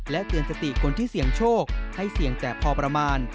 เตือนสติคนที่เสี่ยงโชคให้เสี่ยงแต่พอประมาณ